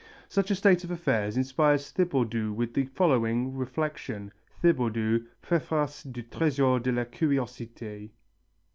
Such a state of affairs inspires Thibaudeau with the following reflection. (Thibaudeau. _Préface du Trésor de la Curiosité.